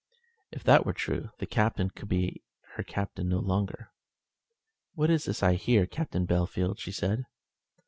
If that were true, the Captain could be her Captain no longer. "What is this I hear, Captain Bellfield?" she said.